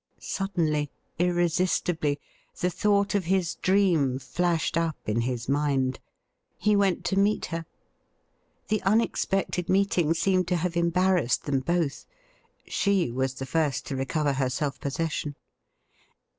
Suddenly, irresistibly, the thought of his dream flashed up in his mind. He went to meet her. The unexpected meeting seemed to have embarrassed them both. She was the first to recover her self possession.